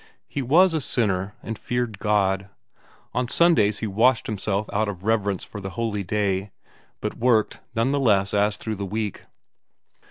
He was a sinner and feared God; on Sundays he washed himself out of reverence for the holy day, but worked none the less as through the week.